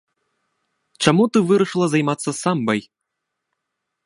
Чаму ты вырашыла займацца самбай?